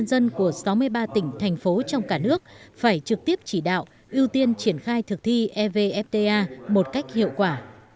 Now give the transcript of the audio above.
dân của sáu mươi ba tỉnh thành phố trong cả nước phải trực tiếp chỉ đạo ưu tiên triển khai thực thi evfta một cách hiệu quả